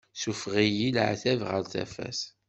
Sufeɣ-iyi leɛtab ɣer tafat.